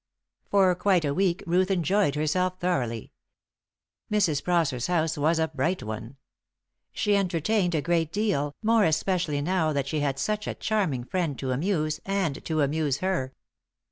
For quite a week Ruth enjoyed herself thoroughly. Mrs. Prosser's house was a bright one. She entertained a great deal, more especially now that she had such a charming friend to amuse and to amuse her.